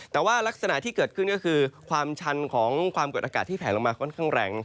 แต่ว่ารักษณะที่เกิดขึ้นก็คือความชันของความเกิดอากาศที่แผลลงมาค่อนข้างแรง